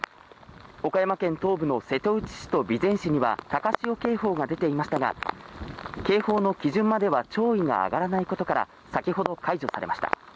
岡山県東部の瀬戸内市と備前市には高潮警報が出ていましたが警報の基準までは潮位が上がらないことから先ほど解除されました。